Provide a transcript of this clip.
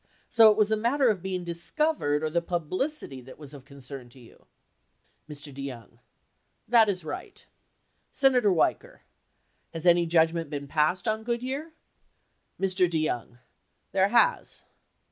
So it was a matter of being discovered or the publicity that was of concern to you? Mr. DeYoung. That is right. Senator Weicker. Has any judgment been passed on Good year? Mr. DeYoung. There has.